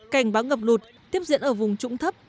cảnh bão ngập lột tiếp diễn ở vùng trũng thấp